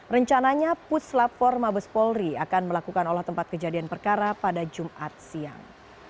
rencananya puslap empat mabes polri akan melakukan olah tempat kejadian perkara pada jumat siang